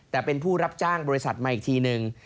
แต่เป็นผู้รับจ้างบริษัทมาอีกทีนึง